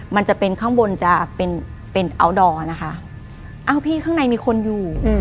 มันจะเป็นข้างบนจะเป็นเป็นอัลดอร์นะคะอ้าวพี่ข้างในมีคนอยู่